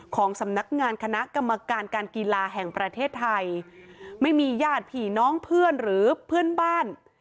ของสำนักงานคณะกรรมการการกีฬาแห่งประเทศไทยไม่มีญาติผีน้องเพื่อนหรือเพื่อนบ้าน